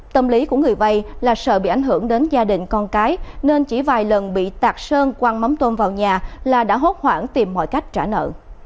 tâm lý của người vay là sợ bị ảnh hưởng đến gia đình con cái nên chỉ vài lần bị tạt sơn quăng mắm tôm vào nhà là đã hốt hoảng tìm mọi cách trả nợ